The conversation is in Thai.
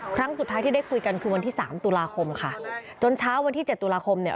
ครั้งสุดท้ายที่ได้คุยกันคือวันที่สามตุลาคมค่ะจนเช้าวันที่เจ็ดตุลาคมเนี่ย